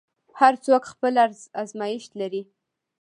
هر څوک خپل ازمېښت لري.